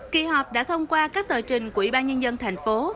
kỳ họp đã thông qua các tờ trình của ubnd tp